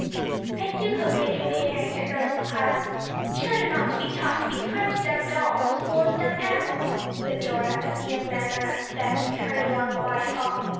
"I do hope Midge will be a nicer girl than Clara. Children ought to be taught to be kind to dumb dolls as well as dumb animals," said Dora, as the young man ran up the steps and hurried along a wide hall.